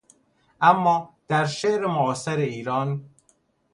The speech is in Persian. اما در شعر معاصر ایران